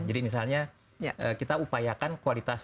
jadi misalnya kita upayakan kualitas